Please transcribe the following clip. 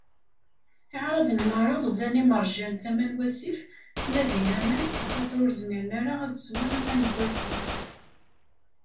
Iɛraben meṛṛa ɣzan imerjan tama n wasif, ttnadin aman, axaṭer ur zmiren ara ad swen aman n wasif.